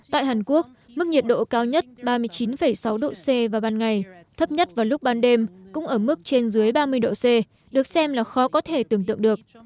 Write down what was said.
tại hàn quốc mức nhiệt độ cao nhất ba mươi chín sáu độ c vào ban ngày thấp nhất vào lúc ban đêm cũng ở mức trên dưới ba mươi độ c được xem là khó có thể tưởng tượng được